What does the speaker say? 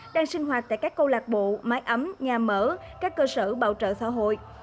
đang sinh hoạt tại các câu lạc bộ máy ấm nhà mở các cơ sở bảo trợ xã hội